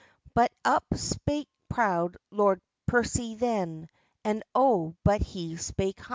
But up spake proud Lord Percy then, And O but he spake hie!